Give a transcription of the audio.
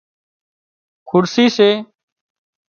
کُڙسي سي